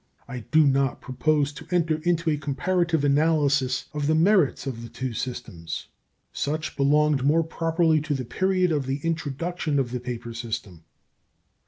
I do not propose to enter into a comparative analysis of the merits of the two systems. Such belonged more properly to the period of the introduction of the paper system.